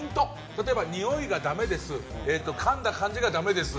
例えば、においがだめですかんだ感じがダメです